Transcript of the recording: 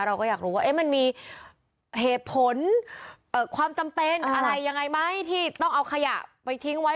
เราก็อยากรู้ว่ามันมีเหตุผลความจำเป็นอะไรยังไงไหมที่ต้องเอาขยะไปทิ้งไว้